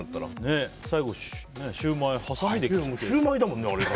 最後シューマイはさみで切って。